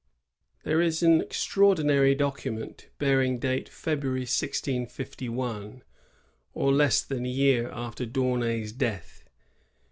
There is an extraordinary document bearing date February, 1651, or less than a year after D'Aunay's death.